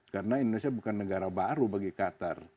karena indonesia bukan negara baru bagi qatar